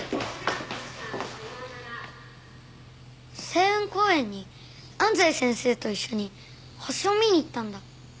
星雲公園に安西先生と一緒に星を見に行ったんだ。